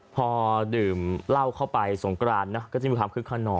พอดื่มเหล้าเข้าไปสงกรานนะก็จะมีคำคือข้านอ่อ